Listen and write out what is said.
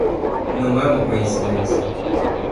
Não é uma coincidência